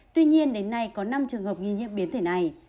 tuy nhiên đến nay có năm trường hợp nghi nhiễm biến thể này